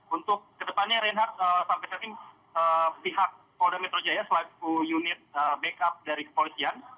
untuk kedepannya reinhard sampai saat ini pihak polda metro jaya selaku unit backup dari kepolisian